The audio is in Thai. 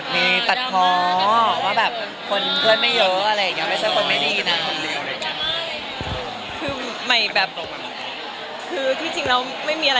มีตัดพอว่าคนเพื่อนไม่เยอะ